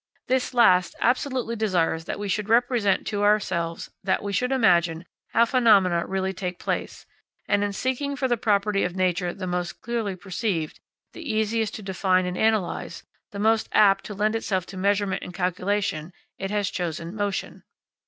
This last absolutely desires that we should represent to ourselves, that we should imagine, how phenomena really take place; and in seeking for the property of nature the most clearly perceived, the easiest to define and analyse, and the most apt to lend itself to measurement and calculation, it has chosen motion.